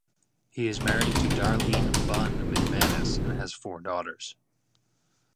He is married to Darlene "Bun" McManus and has four daughters.